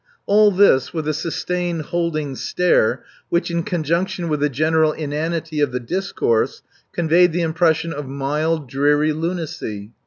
All this with a sustained, holding stare which, in conjunction with the general inanity of the discourse, conveyed the impression of mild, dreary lunacy.